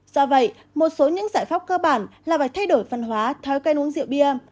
do vậy một số những giải pháp cơ bản là phải thay đổi văn hóa thói quen uống rượu bia